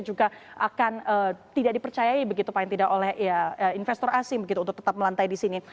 juga akan tidak dipercayai begitu paling tidak oleh investor asing begitu untuk tetap melantai di sini